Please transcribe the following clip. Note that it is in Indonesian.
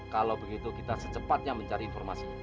kalau begitu kita secepatnya mencari informasi